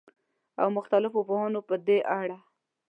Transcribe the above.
او مختلفو پوهانو په دې اړه